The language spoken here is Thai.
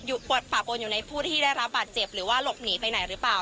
ป่าปนอยู่ในผู้ที่ได้รับบาดเจ็บหรือว่าหลบหนีไปไหนหรือเปล่า